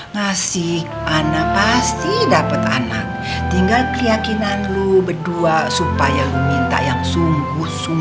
ngasih anak pasti dapet anak tinggal keyakinan poet dua supaya lamidental yang publications